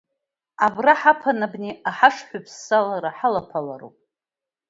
Абра ҳаԥан абни аҳашҳәаԥсалара ҳалаԥалароуп.